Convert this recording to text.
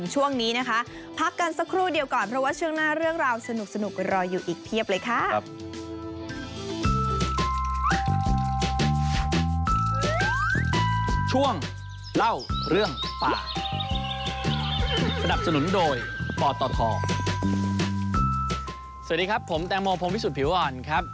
สวัสดีครับผมแตงโมพรุ่งวิสุติผิวอ่อนครับ